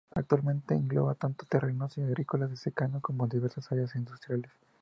Actualmente engloba tanto terrenos agrícolas de secano como diversas áreas industriales.